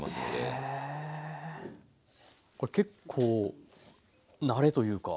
へえこれ結構慣れというか。